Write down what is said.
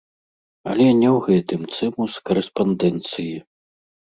Але не ў гэтым цымус карэспандэнцыі.